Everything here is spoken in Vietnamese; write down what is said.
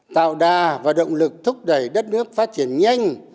tạo đà và động lực thúc đẩy đất nước phát triển nhanh